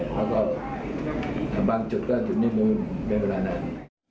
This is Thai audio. แล้วก็บางจุดก็ถึงนิดนึงในเวลานั้น